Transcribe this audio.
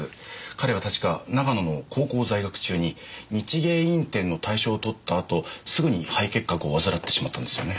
彼は確か長野の高校在学中に日芸院展の大賞をとった後すぐに肺結核を患ってしまったんですよね。